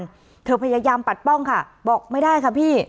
เธอพยายามปัดป้องค่ะบอกไม่ได้ค่ะพี่